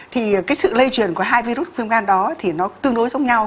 thì cái sự lây truyền của hai virus viêm gan đó thì nó tương đối giống nhau